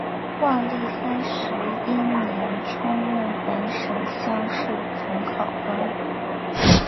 万历三十一年充任本省乡试同考官。